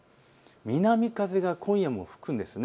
南風が今夜も吹くんです。